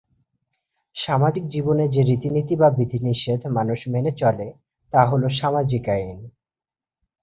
সামাজিক জীবনে যে রীতিনীতি বা বিধিবিধান মানুষ মেনে চলে তা হলো সামাজিক আইন।